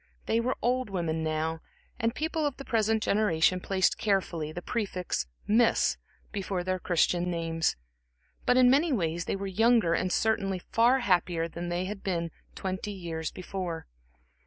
They were old women now, and people of the present generation placed carefully the prefix "Miss" before their Christian names; but in many ways, they were younger and certainly far happier than they were twenty years before.